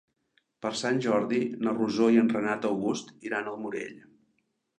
Per Sant Jordi na Rosó i en Renat August iran al Morell.